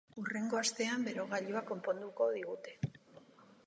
Hurrengo astean berogailua konponduko digute.